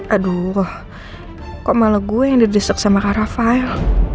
aduh kok malah gue yang didesak sama kak rafael